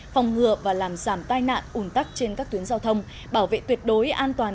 phòng ngừa và làm giảm tai nạn ủn tắc trên các tuyến giao thông bảo vệ tuyệt đối an toàn